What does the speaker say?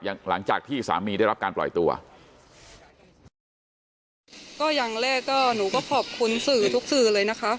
หลังจากที่สามีได้รับการปล่อยตัวก็อย่างแรกก็หนูก็ขอบคุณสื่อทุกสื่อเลยนะคะ